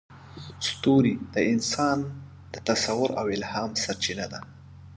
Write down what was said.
ستوري د انسان د تصور او الهام سرچینه ده.